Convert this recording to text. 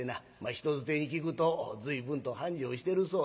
人づてに聞くと随分と繁盛してるそうな。